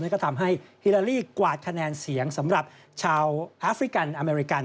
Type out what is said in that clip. ก็ทำให้ฮิลาลีกวาดคะแนนเสียงสำหรับชาวแอฟริกันอเมริกัน